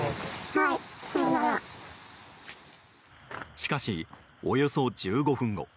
しかし、およそ１５分後。